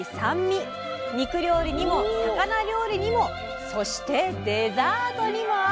肉料理にも魚料理にもそしてデザートにも合う！